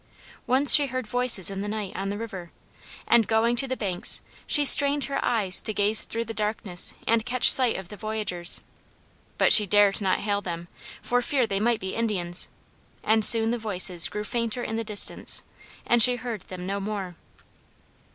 Once she heard voices in the night on the river, and going to the bank she strained her eyes to gaze through the darkness and catch sight of the voyagers; she dared not hail them for fear they might be Indians, and soon the voices grew fainter in the distance, and she heard them no more.